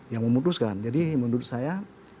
yang memutuskan jadi menurut saya